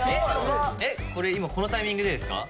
これ今このタイミングでですか？